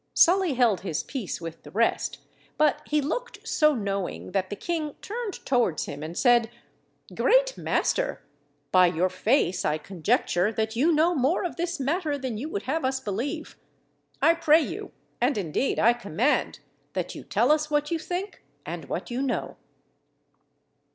Sully held his peace with the rest; but he looked so knowing, that the king turned towards him, and said: "Great master! by your face I conjecture that you know more of this matter than you would have us believe. I pray you, and indeed I command, that you tell us what you think and what you know."